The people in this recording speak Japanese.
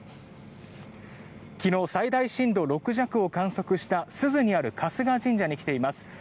昨日、最大震度６弱を観測した珠洲にある春日神社に来ています。